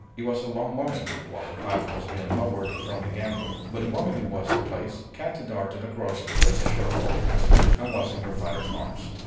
It was a long moment while the plank was being lowered from the gangway; but the moment it was in place, Katy darted across, first ashore of all the passengers, and was in her father's arms.